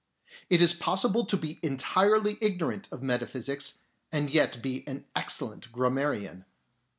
It is possible to be entirely ignorant of metaphysics, and yet to be an excellent gram marian.